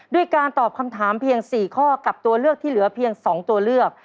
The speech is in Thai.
ด้วยการตอบคำถามเพียง๔ข้อกับตัวเลือกที่เหลือเพียง๒ตัวเลือก